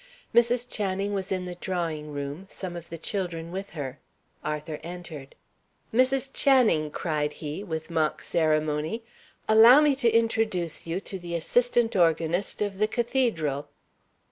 Mrs. Channing was in the drawing room, some of the children with her. Arthur entered. "Mrs. Channing," cried he, with mock ceremony, "allow me to introduce you to the assistant organist of the cathedral."